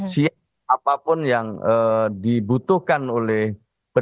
siap apapun yang dibutuhkan oleh pemerintahan